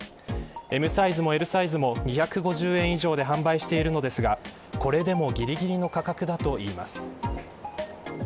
ＭサイズもＬサイズも２５０円以上で販売しているのですがこれでもぎりぎりの価格だといいます。